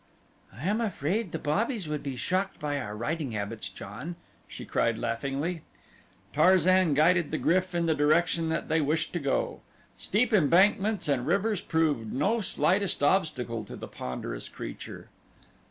"I am afraid the Bobbies would be shocked by our riding habits, John," she cried, laughingly. Tarzan guided the GRYF in the direction that they wished to go. Steep embankments and rivers proved no slightest obstacle to the ponderous creature.